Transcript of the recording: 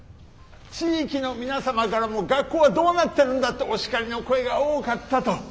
地域の皆様からも学校はどうなってるんだってお叱りの声が多かったと。